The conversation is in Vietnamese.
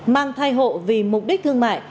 mang thai hộ vì mục đích thương mại